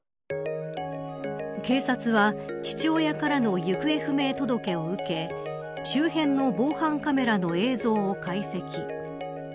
警察は、父親からの行方不明届を受け周辺の防犯カメラの映像を解析。